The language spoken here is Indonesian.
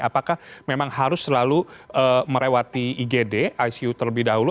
apakah memang harus selalu melewati igd icu terlebih dahulu